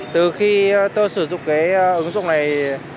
từ khi tôi sử dụng cái ứng dụng này